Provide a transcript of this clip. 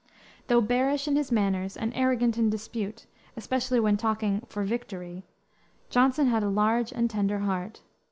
Though bearish in his manners and arrogant in dispute, especially when talking "for victory," Johnson had a large and tender heart.